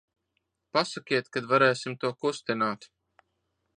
Pasakiet, kad varēsim to kustināt.